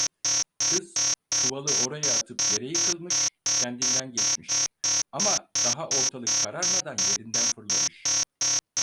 Kız çuvalı oraya atıp yere yıkılmış, kendinden geçmiş; ama daha ortalık kararmadan yerinden fırlamış…